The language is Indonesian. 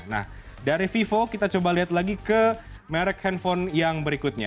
nah dari vivo kita coba lihat lagi ke merek handphone yang berikutnya